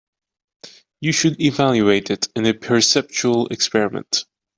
You should evaluate it in a perceptual experiment.